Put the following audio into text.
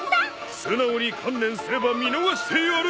素直に観念すれば見逃してやる！